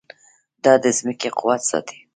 دا د ځمکې قوت ساتي.